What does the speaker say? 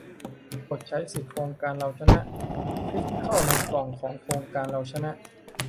กดใช้สิทธิโครงการเราชนะ คลิกเข้าในกล่องของโครงการเราชนะ